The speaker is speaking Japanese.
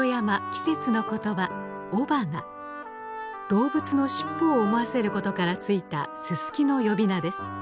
動物の尻尾を思わせることからついたススキの呼び名です。